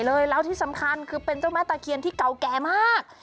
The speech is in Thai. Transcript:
แล้วที่สำคัญคือเป็นเจ้าแม่ตะเคียนที่เก่าแก่มาก